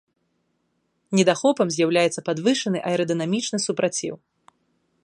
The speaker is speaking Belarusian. Недахопам з'яўляецца падвышаны аэрадынамічны супраціў.